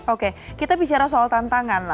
oke kita bicara soal tantangan